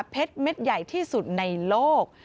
เม็ดใหญ่ที่สุดในโลก